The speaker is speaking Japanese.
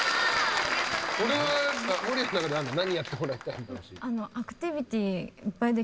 これは守屋のなかで何やってもらいたいの？